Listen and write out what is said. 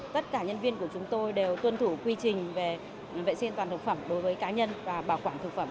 tất cả nhân viên của chúng tôi đều tuân thủ quy trình về vệ sinh toàn thực phẩm đối với cá nhân và bảo quản thực phẩm